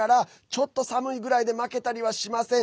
ちょっと寒いぐらいで負けたりはしません。